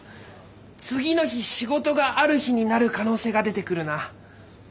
次の日仕事がある日になる可能性が出てくるな。